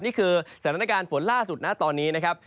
นี่คือสถานการณ์ฝนล่าสุดนะตอนนี้นะครับ